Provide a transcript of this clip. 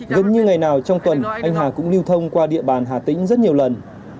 gần như ngày nào trong tuần anh hà cũng lưu thông qua địa bàn hà tĩnh rất nhiều lần